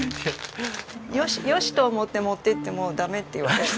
よし！と思って持って行ってもダメって言われる。